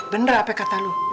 bener apa kata lo